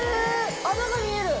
穴が見える！